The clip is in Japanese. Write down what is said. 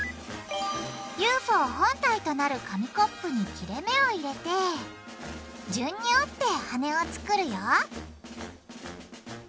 ＵＦＯ本体となる紙コップに切れ目を入れて順に折って羽を作るよ